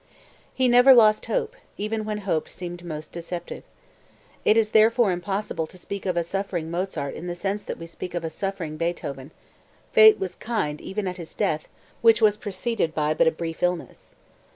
He never lost hope even when hope seemed most deceptive. It is therefore impossible to speak of a suffering Mozart in the sense that we speak of a suffering Beethoven; fate was kind even at his death, which was preceded by but a brief illness.